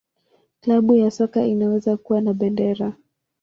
Klabu ya soka inaweza kuwa na bendera.